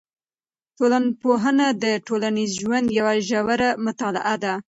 ټولنپوهنه د ټولنیز ژوند یوه ژوره مطالعه ده.